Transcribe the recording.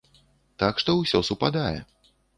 Так што ўсё супадае.